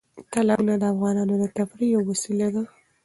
تالابونه د افغانانو د تفریح یوه وسیله ده.